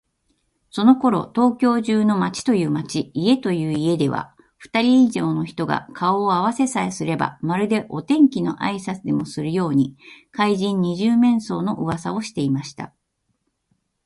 そのころ、東京中の町という町、家という家では、ふたり以上の人が顔をあわせさえすれば、まるでお天気のあいさつでもするように、怪人「二十面相」のうわさをしていました。